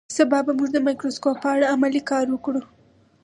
سبا به موږ د مایکروسکوپ په اړه عملي کار وکړو